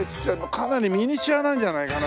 かなりミニチュアなんじゃないかな